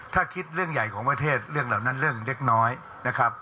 ถ้าคิดเรื่องใหญ่ของประเทศเรื่องเหล่านั้นเรื่องเล็กน้อยนะครับ